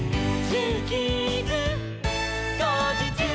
「ジューキーズこうじちゅう！」